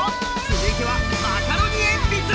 続いてはマカロニえんぴつ！